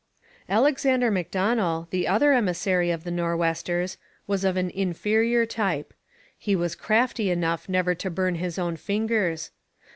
Alexander Macdonell, the other emissary of the Nor'westers, was of an inferior type. He was crafty enough never to burn his own fingers.